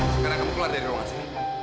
sekarang kamu keluar dari ruangan saya